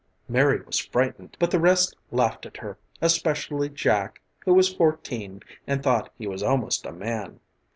Mary was frightened, but the rest laughed at her, especially Jack, who was fourteen and thought he was almost a man.